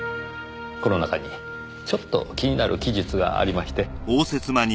この中にちょっと気になる記述がありまして。